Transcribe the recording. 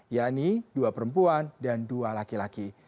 yakni dua perempuan dan dua laki laki